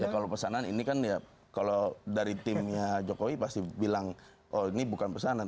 ya kalau pesanan ini kan ya kalau dari timnya jokowi pasti bilang oh ini bukan pesanan